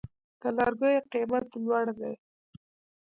د لرګیو قیمت لوړ دی؟